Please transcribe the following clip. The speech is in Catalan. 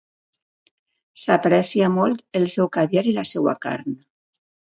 S'aprecia molt el seu caviar i la seva carn.